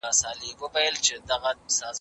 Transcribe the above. د پیسو انتظام د پرمختګ لپاره ضروري دی.